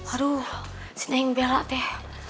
aduh senyum bella teh